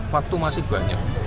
waktu masih banyak